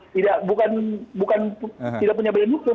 tidak punya badan hukum